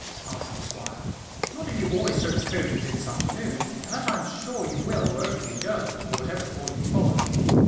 answered the Squire, "not if you always show the spirit you did this afternoon, and that I am sure you will wherever you go, or whatever calling you follow."